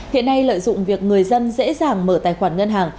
hiện nay lợi dụng việc người dân dễ dàng mở tài khoản ngân hàng